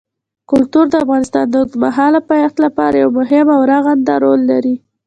کلتور د افغانستان د اوږدمهاله پایښت لپاره یو مهم او رغنده رول لري.